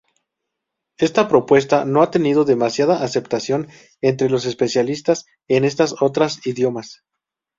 Esta propuesta no ha tenido demasiada aceptación entre los especialistas en estas otras idiomas.